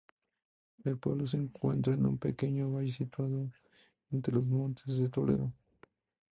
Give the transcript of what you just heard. El pueblo se encuentra en un pequeño valle situado entre los Montes de Toledo.